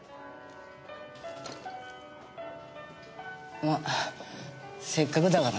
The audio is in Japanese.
ませっかくだからねぇ。